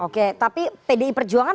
oke tapi pdi perjuangan